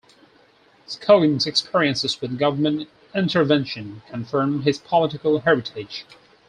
Scoggins's experiences with government intervention confirmed his political heritage.